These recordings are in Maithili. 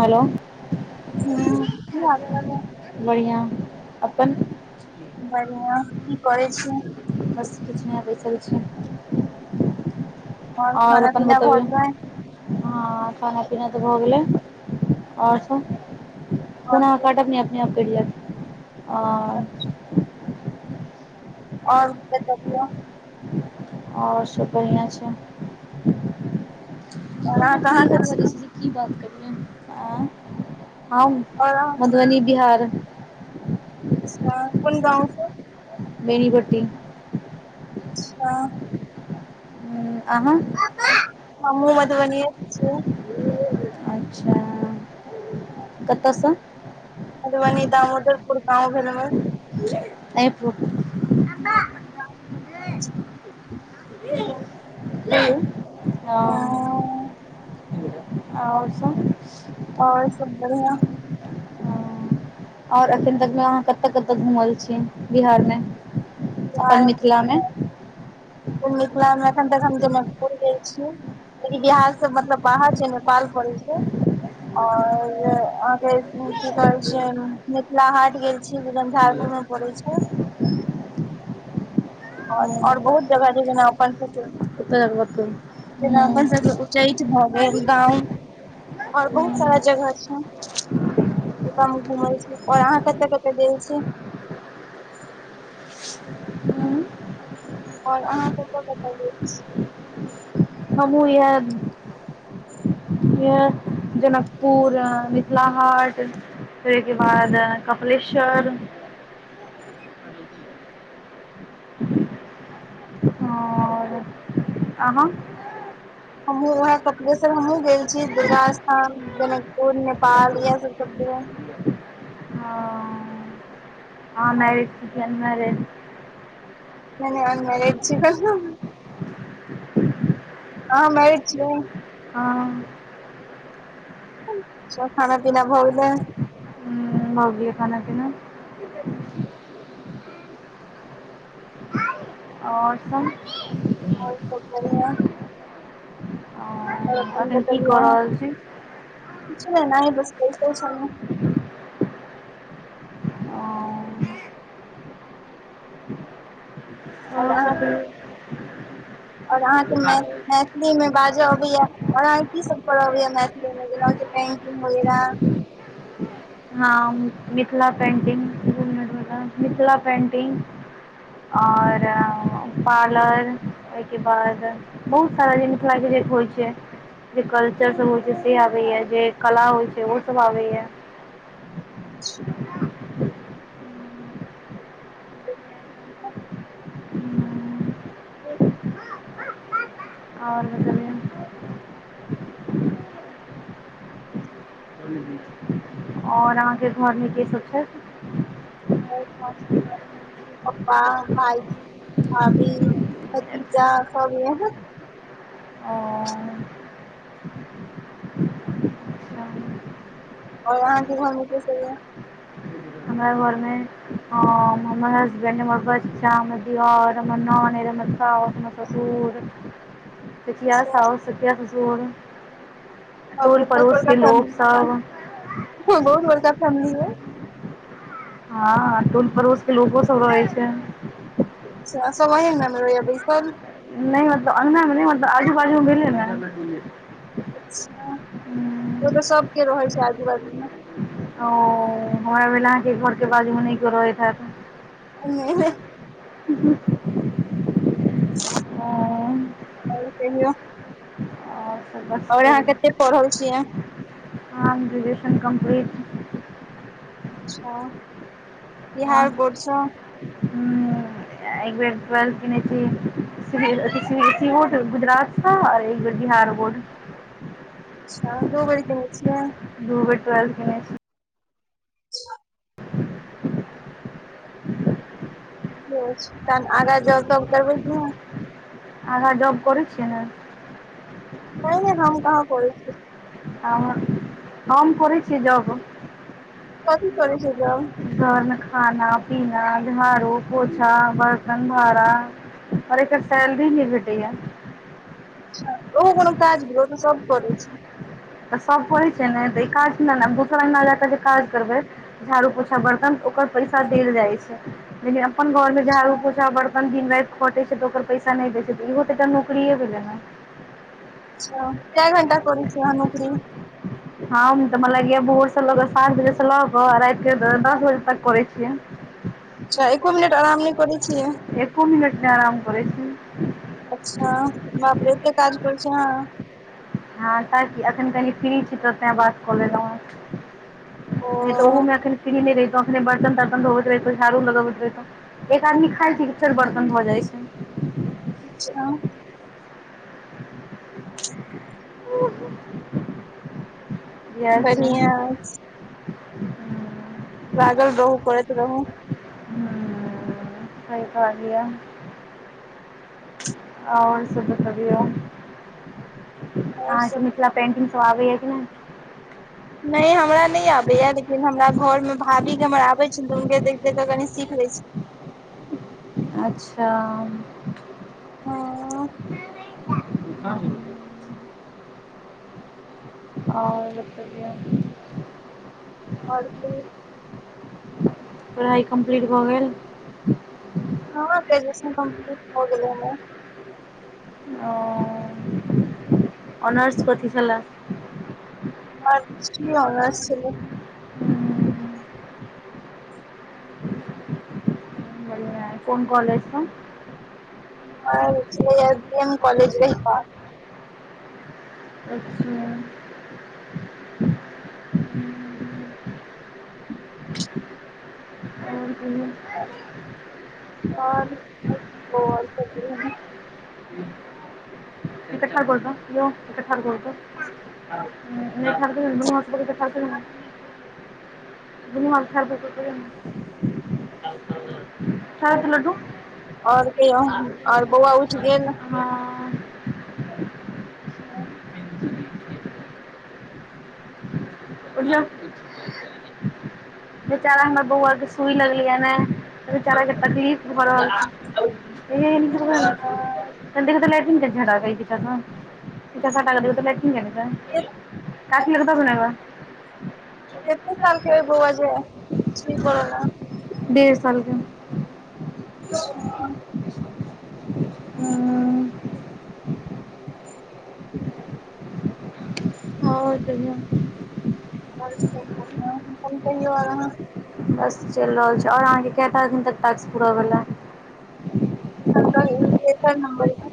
हेलो हू कि हाल चल बढ़िआ अपन। बढ़िआ कि करे छी। बस किछु नहि आबैस कऽ छै। और खाना अपन पीना भऽ बतबियौ गेलै हँ खाना पीना तऽ भऽ गेलै ओर सभ और फोन अहाँ कट नय अपने आप कइट जैत आ [inaudible] और बतबियौ और सब बढ़ियां छैय [inaudible] और अहाँ कहाँ के छी की बात करयै हम और अहाँ मधबनी बिहार अच्छा कोन गाँव से बेनीपट्टी अच्छा हुँ अहाँ [inaudible] हमहु मधुबनीये के छियै अच्छा कतअ स मधबनी दामोदरपुर गाँव भेल हमर [inaudible] [inaudible] कहियौ [inaudible] और सब और सब बढ़यां और एखन तक मे अहाँ कतऽ कतऽ घुमल छी बिहार मे अपन मिथ थला मे मिथलामे अखन तक हम जनकपुर गेल छी इ बिहार से मतलब बाहर छै नेपाल पड़ै छैय और [unintelligible] की कहै छैय मिथिला हाट गेल छी झंझारपुर मे परै छैय और और बहुत जगह छैय जेना अपन सब के जेना अपन सबके उच्चैठ भ गेल गाँव और बहुत सारा जगह छैय ओतअ हम घुमल छी और आहाँ कतऽ कतऽ गेल छी उम [unintelligible] और आहाँ कतऽ-कतऽ गेल छी हमहु इयहे इहे जनकपुर मिथिला हाट तैय के बाद कपलेश्वर आहाँ हमहु वएह कपिलेश्वर हमहु गेल छी दुर्गा स्थान जनकपुर नेपाल इयह सब [unintelligible] आहाँ मैरेज छिय की अनमैरेज नैय नैय अनमैरेज छी बस आहाँ मैयरेज छियै हँ सब खाना पीना भ गेलै हूँ भ गेलै खाना पीना और सब और सब बढिया अ, एखन की कऽ रहल छी [unintelligible] बस बैसल छेलौ आओर आय आहाँ सब के कहियौ और आहाँ के मै मैथिली मे बाजऽ अबैया और आहाँ की सब पढ़ऽ अबैये मैथिली मे जेना की पेंटिंग वेगेराह ह मिथिला पेंटिंग [unintelligible] मिथिला पेंटिंग आओर पालर ओय के बाद बहुत सारा [unintelligible] होइ छै जे कल्चर सब होइ छै से आबैये जे कला होइ छै ओ सब आबैये आओर बतबियौ [inaudible] ह आओर अहाँके घर मे के सब छथि चारि पाॅंच गोटे पप्पा भायजी भाबी भतीजा सब य ओ अच्छा। आओर अहाॅंके घर मे के सब ऐ हमरा घर मे हम हमर हसबैंड हमर बच्चा हमर दीयर हमर ननैद हमर साउस हमर ससुर [inaudible] पिसीया साउस पिसीया ससुर हमर टोल बहुत पड़ोस बड़का के लोक फैमिली सब बहुत बड़का फैमिली ऐ हँऽ टोल पड़ोस के लोको सब रहै छै सेह सब अहीं अंगना मे रहै या बसिल नय मतलब अंगना मे नय मतलब आजू बाजू मे भेलै ने अच्छा ओ तऽ सबके रहै छै आजू बाजू मे औऽ हमरा भेल अहाँके घर के बाजू मे नय केओ रहति हेऽत ओनहिये [inaudible] आओर कहियौ आओर सब बस आओर अहाॅं कत्ते पढ़ल छियै हम ग्रेजुएशन कम्प्लीट अच्छा बिहार हम बोर्ड सँ हुॅं ऐ बेर टुवेल्थ केने छी C B S E pre board Gujarat स ऐ बेर बिहार बोर्ड अच्छा दू बेर केने छियै दू बेर ट्वेल्थ केने छी अच्छा [inaudible] तहन आगां जौब तौब करबै कि नय आगाॅं जॉब करै छियै ने पाइने हम कहाँ खरै छियै आ हम हम करै छीयै जाॅब कथी करय छियै जाॅब घर मे खाना, पीना, झाड़ू, पोछा, बर्तन भारा खाली एकर सैलरी नय भेटै या अच्छा ओहो कोनो काज भेलै ओ तऽ सब करै छै। तऽ सब करै छै ने तऽ ई काज ले ने दोसर अंगना जाकऽ जे काज करबै झाड़ू पोछा बर्तन ओकर पैसा देल जाइ छै, लेकिन अपन घर मे झाड़ू पोछा बर्तन दिन राति खटै छै तऽ ओकर पैसा नै दै छै तऽ इहो त एकटा नौकरिये भेलै न अच्छा कए घंटा करै छियै अहाँ नौकरी हम तऽ मरा लगैया भोर स लऽ क सात बजे स लऽ कऽ राति के दस बजे तक करै छियै अच्छा एको मिनट आराम नै करै छियै एको मिनट नै आराम करै छीयै अच्छा बापरे एतेऽ काज करै छीयै आहाॅं हँ ताकि एखन कनि फ्री छी तऽतें बात कऽ लेलौं ओ हेँ नै तऽ ओहो अखन फिरी नै रहितौ अखने बर्तन तर्तन धोबैत रहितौ झारू लगबैत रहहितौ एक आदमी खाइ छै कि फेर बर्तन भऽ जाइ छै। अच्छा ओ [unintelligible] किया से हुँ बढ़िया अछि लागल रहू करैत रहू हूँ सही कहलियैया आओर सब बतबियो‌ और आहाॅंके सब मिथिला पेंटिंग सब आबैया कि नय नै हमरा नै आबैया लेकिन हमरा घर मे भाभी के हमर आबे छै तऽ हुनके देख कऽ कनी सीख लै छी अच्छा हँ [unintelligible] आओर बतबीयौ आओर कहीयौ पढ़ाइ कम्प्लीट भऽ गेल हँ ग्रेजुएशन कमप्लीट भ गेलय हमर ओ अनर्स कथि छला [unintelligible] छलै हम्म, बढ़िआँ कोन कॉलेज स हमर छलेय पी एम‌ काॅलेज रहिका [unintelligible] अच्छा आओर कहियौ आओर [unintelligible] एक ठार बलतौ यौ एकऽ ठार बलत [unintelligible] नै ठार करियौ न दुनू हाथ स पकरि क ठार करियौ न दुनु भाग ठार भ क करियौ न आब [unintelligible] खाएद लड्डू और के और बौआ उठि गेल हँ उठि जा अ [unintelligible] बेचारा हमर बौआर के सुई लगलिया न बेचारा के तकलीफ भरहल छै एह हनक [unintelligible] त देख लैट्रिन क झड़ा कै त साटा लैटिंगै [unintelligible] काकी लगक दऽ अबही न एकरा एक दू सालके बौआ जे [unintelligible] डेढ़ सालके। [inaudible] हँ और कहियो। [unintelligible] कहियौ और अहाॅं। बस चलि रहल छैय आओर अहाँके कखन तक टाक्स पूरा भेलया। अखन त इ तेसर नंबर य।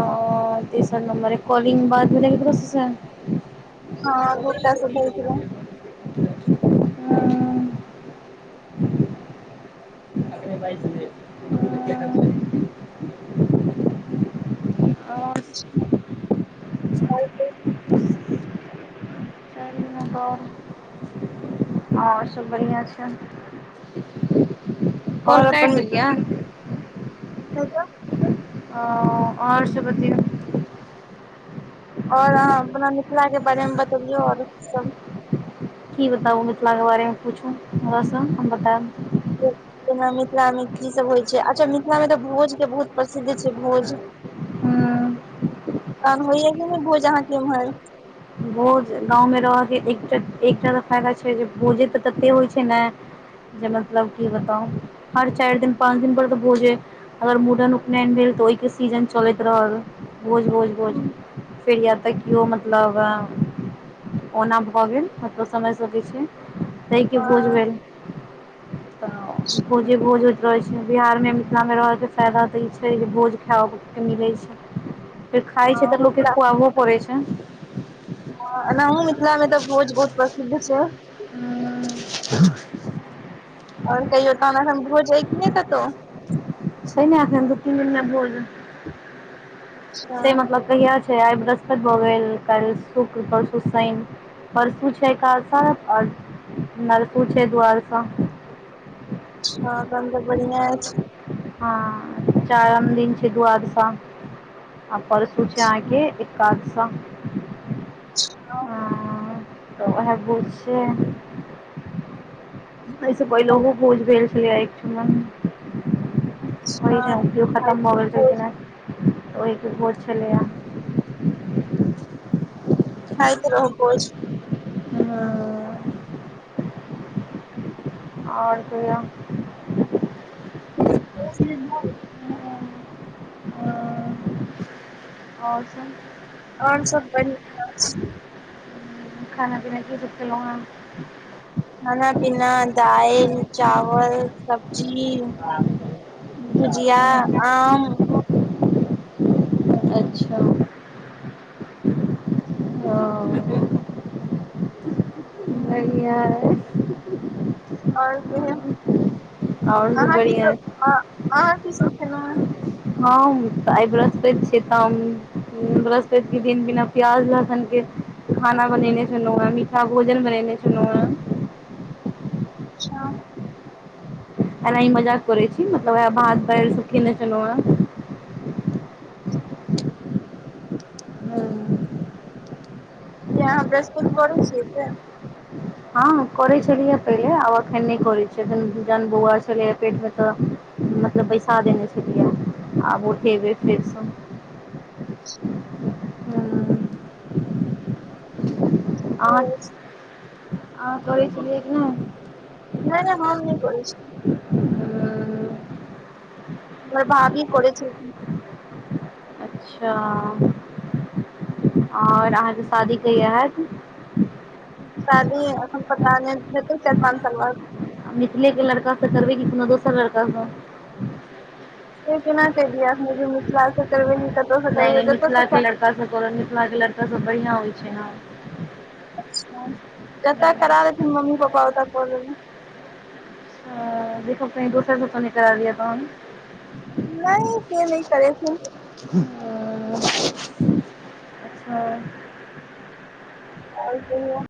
ओ तेसर नंबर कॉलिंग बाद भेल क केकरो से? हँ गोटा से भेल छले। [unintelligible] हँ [unintelligible] आओर सब बढ़िआँ छैय। कल और कैट देलियै? नहि तऽ आ और सब बतयौ। और अहाँ अपना मिथिलाके बारे मे बतेबियो और सब। की बताबु मिथिला के बारे मे पूछू हम सब हम बतेब। [inaudible] जेना मिथिला मे की सब होइ छैय अच्छा मिथिलामे तऽ भोज के बहुत प्रसिद्ध छैय भोज। हूं आ होइय कि ने भोज अहाँके उम्हर? भोज गाँव में रहके एकटा एकटा त फायदा छैय जे भोजे त तते होइ छैय ने जे मतलब की बताउ हर चारि दिन पाँच दिन पर तऽ भोजे अगर मुरन उपनयन भेल तऽ ओहिके सीजन चलैत रहल। भोज भोज भोज फेर या त कियो मत मतलब ओना भ गेल मतलब समझ सकय छी। तयके भोज भेल तऽ भोजे भोज होए। रहै छैय बिहारमे मिथिलामे रहयके फायदा तऽ ई छैय जे भोज खाओके मिलै छैय। फेर खाय छैय हँ त लोक के मिथिला खुआबहो पड़े छैन। एनाही मिथिला मे तऽ भोज बहुत प्रसिद्ध छैय। हूं आओर कहियौ तहन भोज हय की नहि कतहु? छैय ने एखन दू तीन दिन में भोज। [inaudible] से मतलब अच्छा कहिया छैय आइ बृहस्पति भ गेल काल्हि शुक्र परसु शैन। परसू छैय एकादशा आओर नरसू छैय दुआरसा। हँ तहन तऽ बढ़िआ अछि। हँ चारम दिन छैय दुआदशा। आ परसु छैय आंहांके एकादशा हं। तऽ उहै भोज छैय एहिस पहिलहो भोज भेल छलय एकठमन अच्छा ओहिठाम कियो खतम भऽ गेल छलखिनहे। भोज छलैया। खाइत रहु भोज [unintelligible] और कहियौ [unintelligible] [unintelligible] [unintelligible] और सब और सब बढ़ियां छय खाना पीना की सब खेलौहें खाना पीना दाइल चावल सब्जी [inaudible] भुजिया आम अच्छ [unintelligible] बढ़िया यै [unintelligible] और कहियौ आओर [inaudible] अहाँ की बढ़िया सब अइ अहाँ की सब खेलौंहें हम तऽ आइ बृहस्पति छै तऽ हम बृहस्पति केँ दिन बिना प्याज लहसन केँ खाना बनेने छलौ हें मीठा भोजन बनेने छलै हें। [unintelligible] अना इ मजाक करै छी मतलब वैह भात दाइल सब खेने छैलौ है हेँ कियै अहाँ बृहस्पत करय छियै से हँ करै छलिय पहिले आब एखन नै करै छियै अखन जन बौआ छलै पेट मे तऽ मतलब बैसा देने छलिय आब उठेबे फेरस [unintelligible] अहां करै छलियै की नै नै नै हम नै करै छियै हमर भावी करैय छलखीन हें अच्छा और अहाँकेँ शादी कहिया हैत शादी एखन पता नै हेतै चाइर पाँच साल बाद मिथिले केँ लड़का स करबै की कोनो दोसर लड़का स से केना किहि दैयै अखन जे मिथिला स करबे की कत स करबै जत स कर [unintelligible] मिथिला के लड़का सब बढ़िआ होइ छैय न [unintelligible] [unintelligible] जत करा देथिन मम्मी पप्पा ओत कऽ लेबैय हऽ देखब कही दूसर सब स नै करा दिया तहन नै से नै करेथिन [unintelligible] ओह अच्छा और कहियो